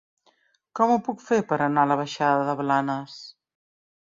Com ho puc fer per anar a la baixada de Blanes?